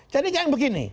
jadi kayak begini